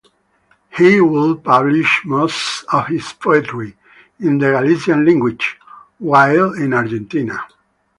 He would publish most of his poetry, in the Galician language, while in Argentina.